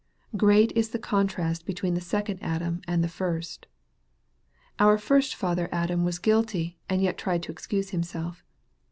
Great is the contrast between the second Adam and the first ! Our first father Adam was guilty, and yet tried to excuse him self.